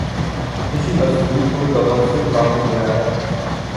اسی اسلوب کو تغزل کہا گیا ہے